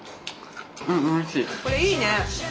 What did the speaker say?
これいいね！